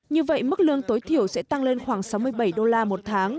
như vậy mức lương tối thiểu sẽ tăng lên khoảng sáu mươi bảy đô la một tháng